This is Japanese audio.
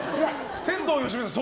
天童よしみさん